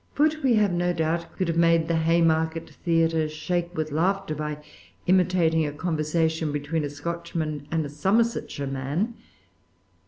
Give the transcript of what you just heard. Foote, we have no doubt, could have made the Haymarket Theatre shake with laughter by imitating a conversation between a Scotchman and a Somersetshireman.